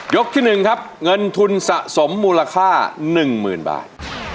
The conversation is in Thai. ยกที่หนึ่งครับเงินทุนสะสมมูลค่าหนึ่งหมื่นบาท